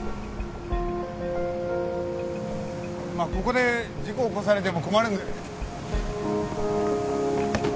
まあここで事故起こされても困るんで。